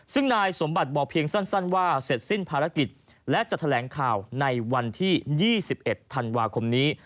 ซึ่งนายสมบัติบอกเพียงสั้นว่าเสร็จสิ้นภารกิจและจะแถลงข่าวในวันที่๒๑ธันวาคมนี้